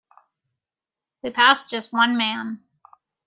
We passed just one man.